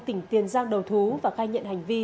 tỉnh tiền giang đầu thú và khai nhận hành vi